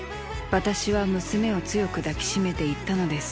私は娘を強く抱き締めていったのです。